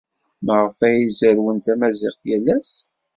Maɣef ay zerrwen tamaziɣt yal ass?